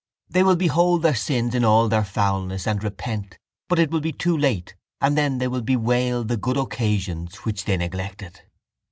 They will behold their sins in all their foulness and repent but it will be too late and then they will bewail the good occasions which they neglected.